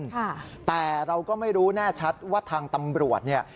ค่ะแต่เราก็ไม่รู้แน่ชัดว่าทางตำรวจเนี่ย